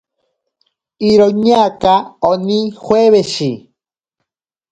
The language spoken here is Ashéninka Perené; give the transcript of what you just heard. Iroñaaka oni joeweshi.